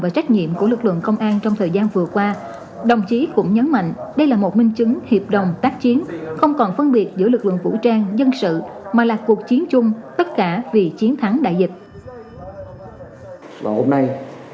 tại các chốt đã không xảy ra tình trạng ổn ứng như trước đây